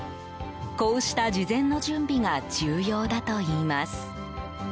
こうした事前の準備が重要だといいます。